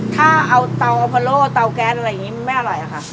ถ้าเอาเตาพะโล่เตาแก๊สอะไรอย่างนี้มันไม่อร่อยอะค่ะ